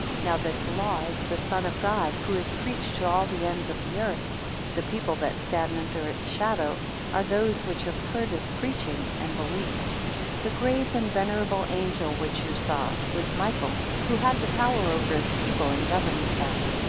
24 Now this law is the Son of God, who is preached to all the ends of the earth. The people that stand under its shadow, are those which have heard his preaching, and believed. 25 The great and venerable angel which you saw, was Michael who had the power over his people, and governs them.